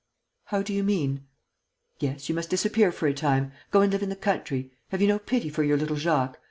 "How do you mean?" "Yes, you must disappear for a time; go and live in the country. Have you no pity for your little Jacques?